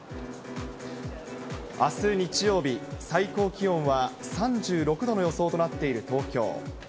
あす日曜日、最高気温は３６度の予想となっている東京。